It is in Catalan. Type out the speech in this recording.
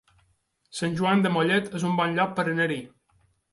Sant Joan de Mollet es un bon lloc per anar-hi